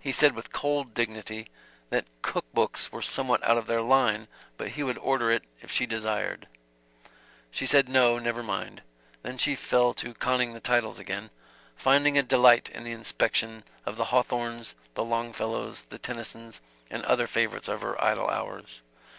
He said with cold dignity, that cook books were somewhat out of their line, but he would order it if she desired it. She said, no, never mind. Then she fell to conning the titles again, finding a delight in the inspection of the Hawthornes, the Longfellows, the Tennysons, and other favorites of her idle hours.